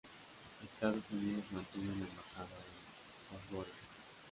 Estados Unidos mantiene una embajada en Podgorica.